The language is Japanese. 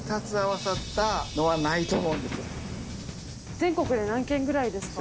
全国で何軒ぐらいですか？